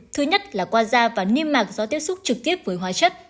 thứ nhất là qua da và niêm mạc do tiếp xúc trực tiếp với hóa chất